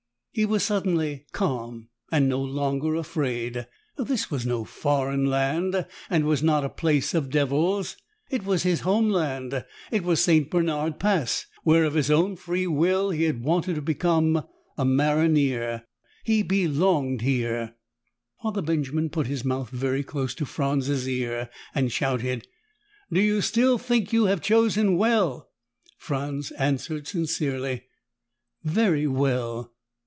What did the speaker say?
He was suddenly calm and no longer afraid. This was no foreign land and it was not a place of devils. It was his homeland. It was St. Bernard Pass, where, of his own free will, he had wanted to become a maronnier. He belonged here. Father Benjamin put his mouth very close to Franz's ear and shouted, "Do you still think you have chosen well?" Franz answered sincerely, "Very well."